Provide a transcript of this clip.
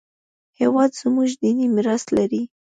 هېواد زموږ دیني میراث لري